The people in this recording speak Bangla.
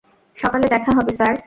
সকালে দেখা হবে স্যার।